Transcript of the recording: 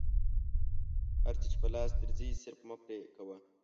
هر څه چې په لاس درځي صرفه مه پرې کوه.